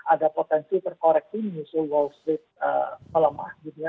ada potensi terkoreksi menyusul wall street melemah gitu ya